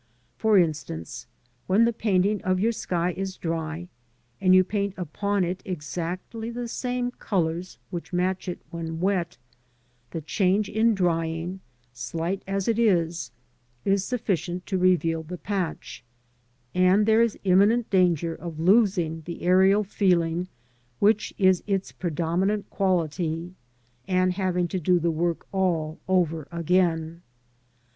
For instance, when the painting of your sky is dry, and you paint upon it exactly the same colours which match it when wet, the change in drying, slight as it is, is sufficient to reveal the patch, and there is imminent danger of losing the aerial feeling which is its predominant quality, and having to do the work all over again.